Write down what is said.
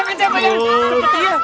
pegang minyak pegang